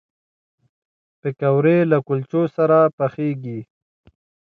پکورې له کلچو سره پخېږي